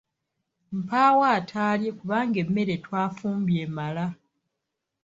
Mpaawo ataalye kubanga emmere twafumbye emala.